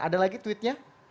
ada lagi tweetnya